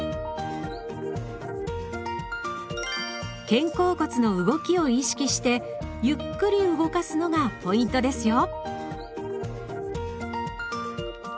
肩甲骨の動きを意識してゆっくり動かすのがポイントですよ。